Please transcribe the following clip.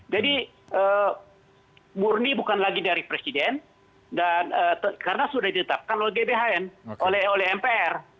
jadi murni bukan lagi dari presiden karena sudah ditetapkan oleh gbhn oleh mpr